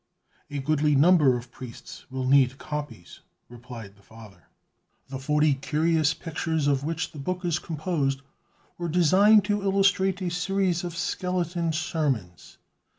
"A goodly number of priests will need copies," replied the Father. "The forty curious pictures of which the book is composed, were designed to illustrate a series of skeleton sermons.